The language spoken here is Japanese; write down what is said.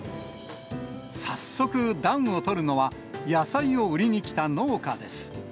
早速、暖を取るのは、野菜を売りに来た農家です。